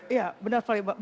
ya benar fani